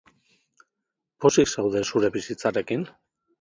Pozik zaude zure bizitzarekin?